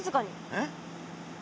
えっ？